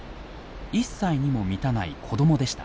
１歳にも満たない子どもでした。